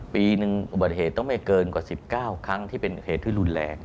ปีหนึ่งอุบัติเหตุต้องไม่เกินกว่า๑๙ครั้งที่เป็นเหตุที่รุนแรง